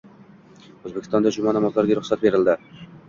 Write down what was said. O‘zbekistonda juma namozlariga ruxsat berildi